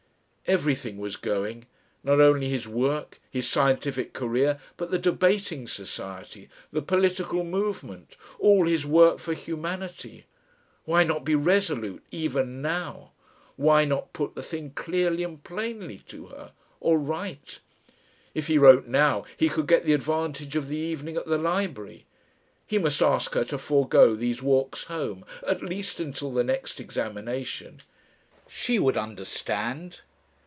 Everything was going. Not only his work his scientific career, but the Debating Society, the political movement, all his work for Humanity.... Why not be resolute even now?... Why not put the thing clearly and plainly to her? Or write? If he wrote now he could get the advantage of the evening at the Library. He must ask her to forgo these walks home at least until the next examination. She would understand.